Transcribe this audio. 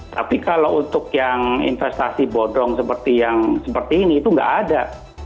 tapi kalau untuk yang investasi bodong seperti yang seperti ini itu nggak ada